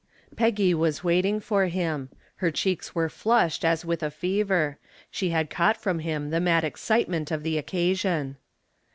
Peggy was waiting for him. Her cheeks were flushed as with a fever. She had caught from him the mad excitement of the occasion.